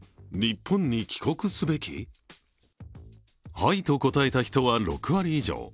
「はい」と答えた人は６割以上。